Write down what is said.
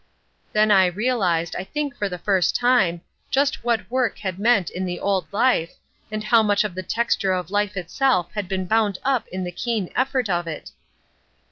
Then I realised, I think for the first time, just what work had meant in the old life, and how much of the texture of life itself had been bound up in the keen effort of it.